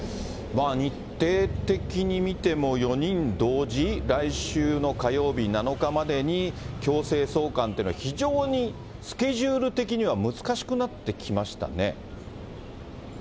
日程的に見ても、４人同時、来週の火曜日７日までに強制送還というのは、非常にスケジュール的には難しくなってきましたね。